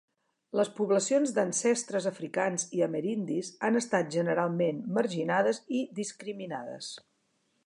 Les poblacions d'ancestres africans i amerindis han estat generalment marginades i discriminades.